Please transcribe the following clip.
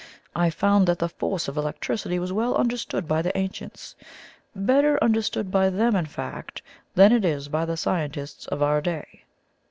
I found that the force of electricity was well understood by the ancients better understood by them, in fact, than it is by the scientists of our day.